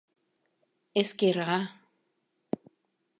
Эскера.